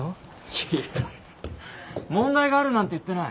いや問題があるなんて言ってない。